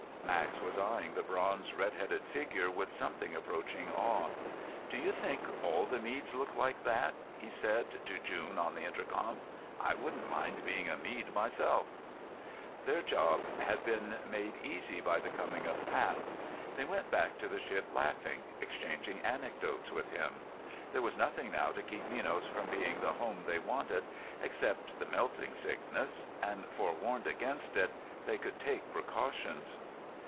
Max was eyeing the bronze red headed figure with something approaching awe. "Do you think all the Meads look like that?" he said to June on the intercom. "I wouldn't mind being a Mead myself!" Their job had been made easy by the coming of Pat. They went back to the ship laughing, exchanging anecdotes with him. There was nothing now to keep Minos from being the home they wanted, except the melting sickness, and, forewarned against it, they could take precautions.